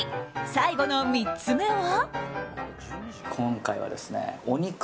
最後の３つ目は。